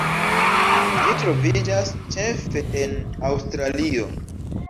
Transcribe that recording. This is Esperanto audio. Ĝi troviĝas ĉefe en Aŭstralio.